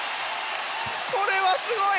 これはすごい！